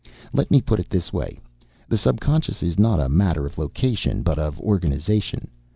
"Let me put it this way. The subconscious is not a matter of location but of organization.